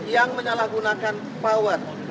yang menyalahgunakan power